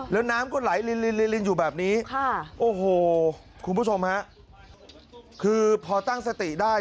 แล้วน้ำก็ไหลลินลินอยู่แบบนี้โอ้โหคุณผู้ชมฮะคือพอตั้งสติได้